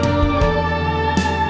lu udah ngapain